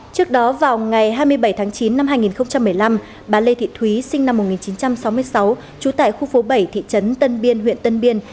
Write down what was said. trước đó vào ngày hai mươi bảy tháng chín năm hai nghìn một mươi năm bà lê thị thúy sinh năm một nghìn chín trăm sáu mươi sáu trú tại khu phố bảy thị trấn tân biên huyện tân biên